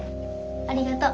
ありがとう。